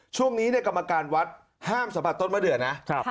ช่วงนี้กรรมการวัดห้ามสัมผัสต้นมะเดือนะ